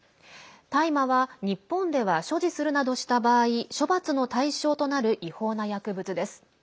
大麻は日本では所持するなどした場合処罰の対象となる違法な薬物です。